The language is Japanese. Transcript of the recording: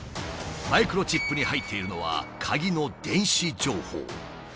マイクロチップに入っているのは鍵の電子情報。